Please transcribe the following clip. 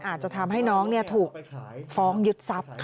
อาจจะทำให้น้องถูกฟ้องยึดทรัพย์